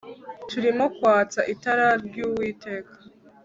turimo kwatsa itara ryuwiteka